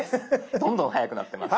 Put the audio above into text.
どんどん早くなってます。